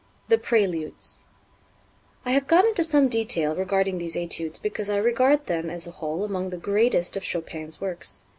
The Préludes. I have gone into some detail regarding these Études because I regard them, as a whole, among the greatest of Chopin's works.